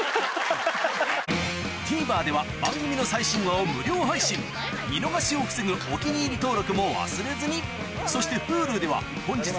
ＴＶｅｒでは番組の最新話を無料配信見逃しを防ぐ「お気に入り」登録も忘れずにそしてＨｕｌｕでは本日の放送も過去の放送も配信中